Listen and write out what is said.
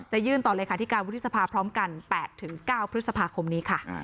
จะยื่นต่อแล้วที่คราวพฤษภาพร้อมกัน๘๙พฤษภาคมนี้